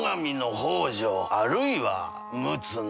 あるいは陸奥の。